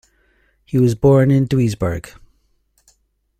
He was born in Duisburg.